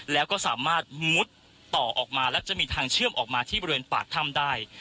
แล้วก็สามารถมุดต่อออกมาและจะมีทางเชื่อมออกมาที่บริเวณปากถ้ำได้